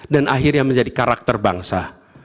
dan akhirnya menjadi karakter bangsa